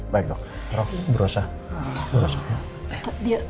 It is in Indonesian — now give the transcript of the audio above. baik dok berusaha